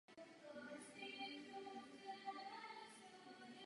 Před kostelem se zachoval zbytek zdi kostelního opevnění se střílnami.